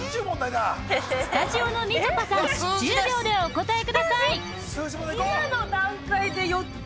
スタジオのみちょぱさん１０秒でお答えください